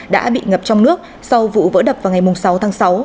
đã bị ngập trong nước sau vụ vỡ đập vào ngày sáu tháng sáu